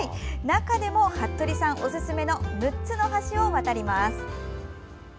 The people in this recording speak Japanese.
中でも服部さんおすすめの６つの橋を渡ります。